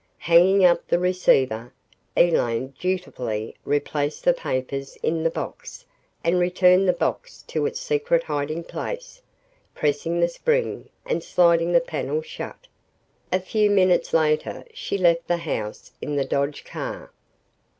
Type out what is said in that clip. Hanging up the receiver, Elaine dutifully replaced the papers in the box and returned the box to its secret hiding place, pressing the spring and sliding the panel shut. A few minutes later she left the house in the Dodge car.